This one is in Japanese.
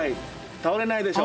倒れないでしょ？